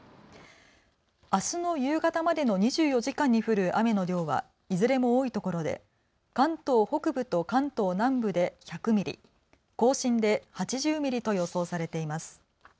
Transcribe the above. あすの夕方までの２４時間に降る雨の量はいずれも多いところで関東北部と関東南部で１００ミリ、甲信で８０ミリと予想されています。